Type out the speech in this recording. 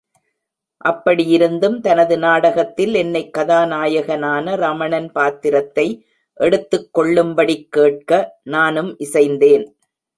அப்படியிருந்தும் தனது நாடகத்தில் என்னைக் கதாநாயகனான ரமணன் பாத்திரத்தை எடுத்துக் கொள்ளும்படிக் கேட்க, நானும் இசைந்தேன்.